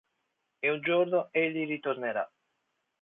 Ed un giorno egli ritornerà.